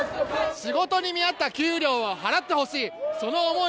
仕事に見合った給料を払ってほしい。